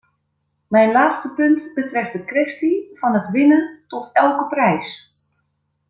Mijn laatste punt betreft de kwestie van het winnen tot elke prijs.